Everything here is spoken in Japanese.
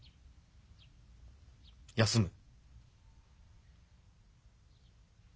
休む！